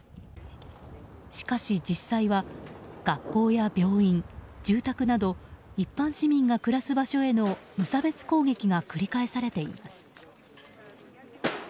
しかし実際は学校や病院、住宅など一般市民が暮らす場所への無差別攻撃が繰り返されています。